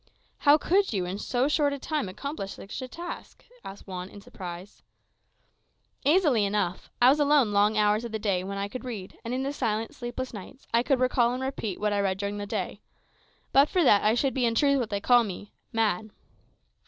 "How could you, in so short a time, accomplish such a task?" asked Juan, in surprise. "Easily enough. I was alone long hours of the day, when I could read; and in the silent, sleepless nights I could recall and repeat what I read during the day. But for that I should be in truth what they call me mad."